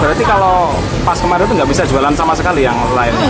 berarti kalau pas kemarin itu nggak bisa jualan sama sekali yang lain